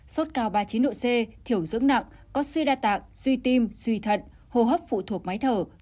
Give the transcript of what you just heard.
sốt cao ba mươi chín độ c thiểu dưỡng nặng có suy đa tạng suy tim suy thận hô hấp phụ thuộc máy thở